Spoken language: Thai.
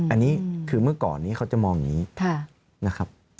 อันนี้คือเมื่อก่อนนี้เขาจะมองอย่างนี้นะครับ